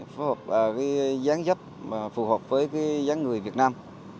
phù hợp với gián dấp phù hợp với giá người việt nam